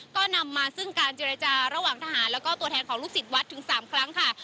ก็นำมาซึ่งการเจรจาระหว่างทหารแล้วก็ตัวแทนของลูกศิษย์วัดถึง๓ครั้งค่ะ